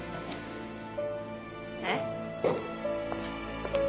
えっ？